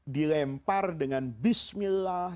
dilempar dengan bismillah